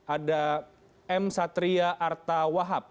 ada m satria arta wahab